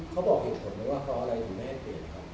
เขาบอกเหตุผลไหมว่าเพราะอะไรถึงไม่ให้เปลี่ยนครับ